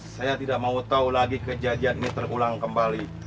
saya tidak mau tahu lagi kejadian ini terulang kembali